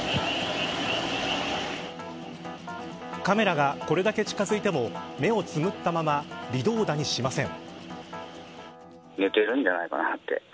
カメラがこれだけ近づいても目をつむったまま微動だにしません。